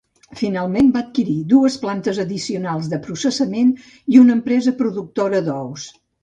Finalment, va adquirir dues plantes addicionals de processament i una empresa productora d'ous.